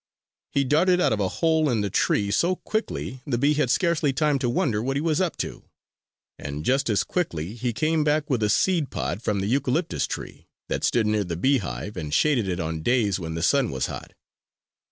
He darted out of a hole in the tree so quickly the bee had scarcely time to wonder what he was up to; and just as quickly he came back with a seed pod from the eucalyptus tree that stood near the beehive and shaded it on days when the sun was hot.